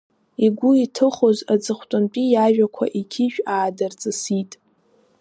Игәы иҭыхоз аҵыхәтәантәи иажәақәа иқьышә аадырҵысит…